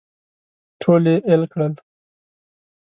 ټول یې اېل کړل.